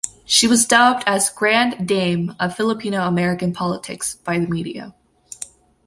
She was dubbed as "Grand Dame of Filipino–American Politics" by the media.